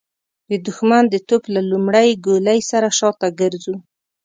د د ښمن د توپ له لومړۍ ګولۍ سره شاته ګرځو.